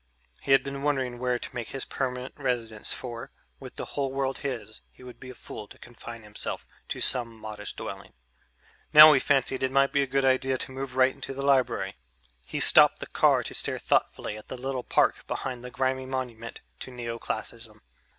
He had been wondering where to make his permanent residence for, with the whole world his, he would be a fool to confine himself to some modest dwelling. Now he fancied it might be a good idea to move right into the library. Very few places in Manhattan could boast a garden of their own. He stopped the car to stare thoughtfully at the little park behind the grimy monument to Neoclassicism.